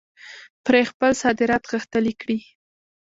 پرې خپل صادرات غښتلي کړي.